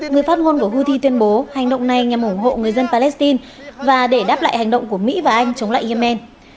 người phát ngôn của houthi tuyên bố hành động này nhằm ủng hộ người dân palestine và để đáp lại hành động của mỹ và anh chống lại yemen